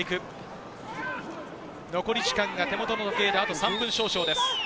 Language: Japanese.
残り時間が手元の時計であと３分少々です。